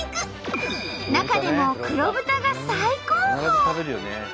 中でも黒豚が最高峰！